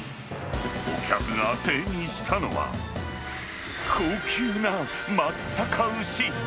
お客が手にしたのは、高級な松阪牛。